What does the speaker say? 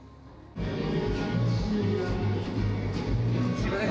すいません